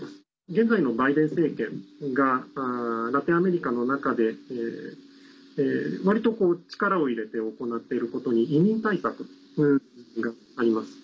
現在のバイデン政権がラテンアメリカの中で割と力を入れて行っていることに移民対策があります。